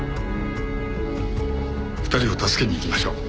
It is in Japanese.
２人を助けに行きましょう。